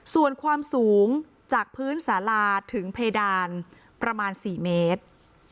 ส่วนความสูงจากพื้นสาราถึงเพดานประมาณ๔เมตร